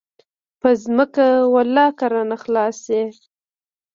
پر ځمكه ولله كه رانه خلاص سي.